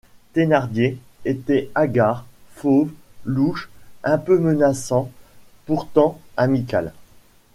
Thénardier était hagard, fauve, louche, un peu menaçant, pourtant amical.